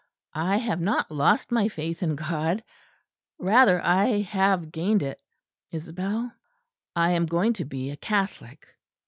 I have not lost my faith in God. Rather, I have gained it. Isabel, I am going to be a Catholic."